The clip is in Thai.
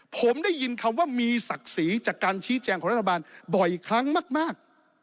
ผมได้ยินคำว่ามีศักดิ์ศรีจากการชี้แจงของรัฐบาลบ่อยครั้งมาก